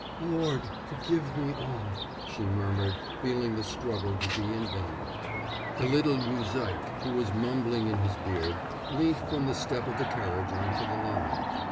'Lord! forgive me all,' she murmured, feeling the struggle to be in vain. A little muzhik, who was mumbling in his beard, leant from the step of the carriage on to the line.